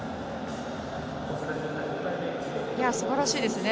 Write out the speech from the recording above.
すばらしいですね。